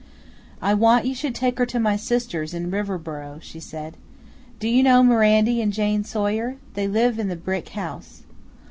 "I want you should take her to my sisters' in Riverboro," she said. "Do you know Mirandy and Jane Sawyer? They live in the brick house."